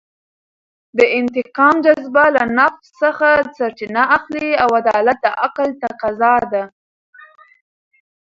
د انتقام جذبه له نفس څخه سرچینه اخلي او عدالت د عقل تفاضا ده.